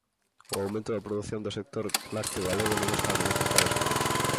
O aumento da produción do sector lácteo galego non está a beneficiar as granxas.